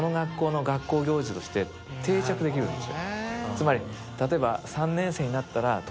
つまり例えば。